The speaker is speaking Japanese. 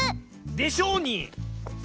でしょうに！